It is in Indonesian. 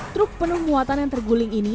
truk penuh muatan yang terguling ini